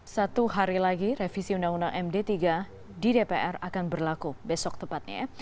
satu hari lagi revisi undang undang md tiga di dpr akan berlaku besok tepatnya